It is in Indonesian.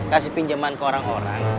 kasih pinjaman ke orang orang